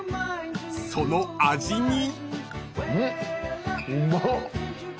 ［その味に］